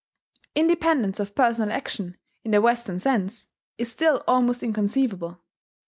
Independence of personal action, in the Western sense, is still almost inconceivable.